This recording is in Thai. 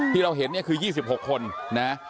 ที่เราเห็นเนี่ยคือ๒๖คนนะ